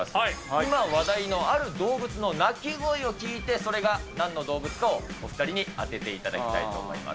今話題のある動物の鳴き声を聞いて、それがなんの動物かをお２人に当てていただきたいと思います。